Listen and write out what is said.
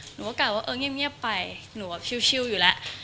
หนูก็ค้าว่าโอ๊ยเงียบไปหนูก็ชิลอยู่ละ